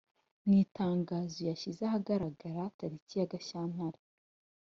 mu itangazo yashyize ahagaragara tariki ya… gashyantare